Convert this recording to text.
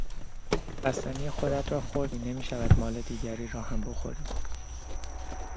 بستنی خودت را خوردی، نمیشود مال دیگری را هم بخوری!